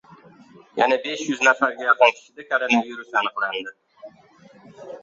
Yana besh yuz nafarga yaqin kishida koronavirus aniqlandi